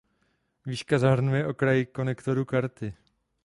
Výška zahrnuje okraj konektoru karty.